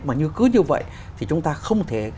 mà cứ như vậy thì chúng ta không thể